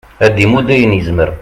ad d-imudd ayen yezmer